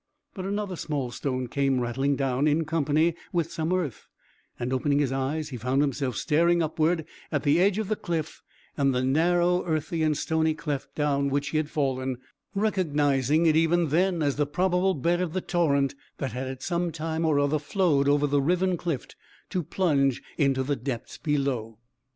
But another small stone came rattling down, in company with some earth, and opening his eyes he found himself staring upward at the edge of the cliff and the narrow, earthy and stony cleft down which he had fallen, recognising it even then as the probable bed of the torrent, that had at some time or other flowed over the riven cliff to plunge into the depths below.